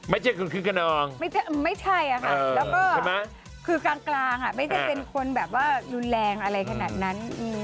ไม่ใช่คุณคืนกับน้องไม่ใช่ค่ะแล้วก็คือกลางไม่ใช่เป็นคนแบบว่ายูนแรงอะไรขนาดนั้น